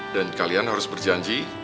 dan kalian harus berjanji